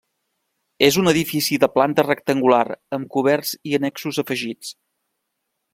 És un edifici de planta rectangular amb coberts i annexos afegits.